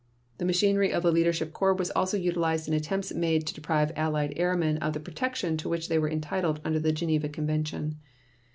The machinery of the Leadership Corps was also utilized in attempts made to deprive Allied airmen of the protection to which they were entitled under the Geneva Convention.